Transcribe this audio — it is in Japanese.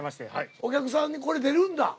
お客さんにこれ出るんだ。